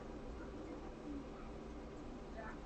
El trazado de una línea de canal es relativamente simple.